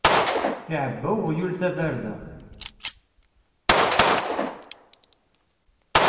Iɛebba uɣyul tabarda.